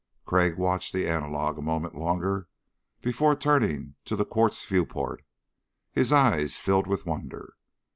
Crag watched the analog a moment longer before turning to the quartz viewport. His eyes filled with wonder.